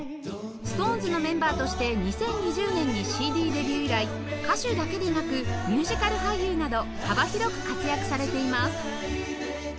ＳｉｘＴＯＮＥＳ のメンバーとして２０２０年に ＣＤ デビュー以来歌手だけでなくミュージカル俳優など幅広く活躍されています